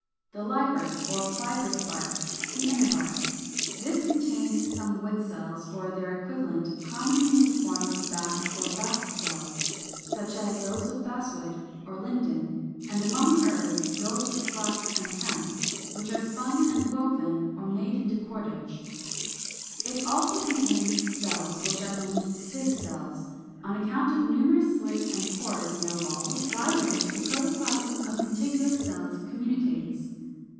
The LIBER or FIBROUS BARK, the Inner Bark. This contains some wood cells, or their equivalent, commonly in the form of bast or bast cells (411, Fig. 444), such as those of Basswood or Linden, and among herbs those of flax and hemp, which are spun and woven or made into cordage. It also contains cells which are named sieve cells, on account of numerous slits and pores in their walls, by which the protoplasm of contiguous cells communicates.